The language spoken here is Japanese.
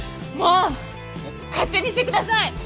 もう勝手にしてください！